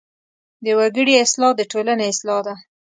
د وګړي اصلاح د ټولنې اصلاح ده.